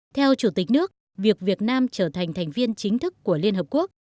theo chủ tịch nước việc việt nam trở thành thành viên chính thức của liên hợp quốc